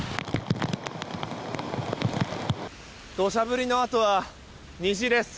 土砂降りのあとは虹です。